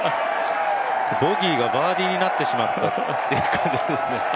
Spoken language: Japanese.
ボギーがバーディーになってしまったという感じですね。